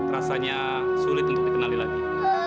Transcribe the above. rasanya sulit untuk dikenali lagi